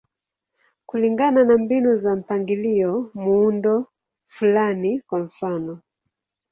Kulingana na mbinu za mpangilio, muundo fulani, kwa mfano.